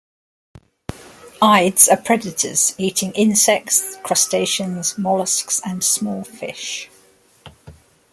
Ides are predators, eating insects, crustaceans, molluscs, and small fish.